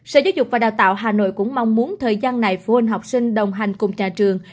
sở giáo dục và đào tạo hà nội cũng mong muốn thời gian này phụ huynh học sinh đồng hành cùng nhà trường